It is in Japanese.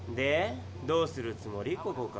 どうするつもり？